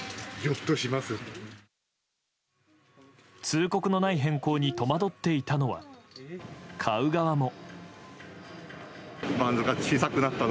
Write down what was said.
通告のない変更に戸惑っていたのは買う側も。